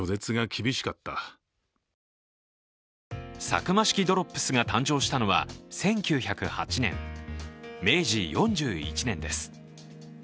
サクマ式ドロップスが誕生したのは１９０８年、明治４１年です。